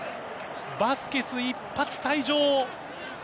バスケスが一発退場。